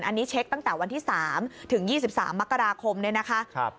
อันนี้เช็คตั้งแต่วันที่๓ถึง๒๓มกราคมเนี่ยนะคะ